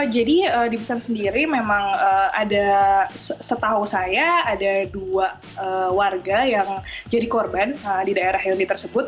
jadi di busan sendiri memang ada setahu saya ada dua warga yang jadi korban di daerah haeundae tersebut